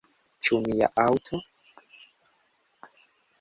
Ĉu mia aŭto?